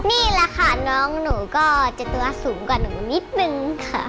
นี่แหละค่ะน้องหนูก็จะตัวสูงกว่าหนูนิดนึงค่ะ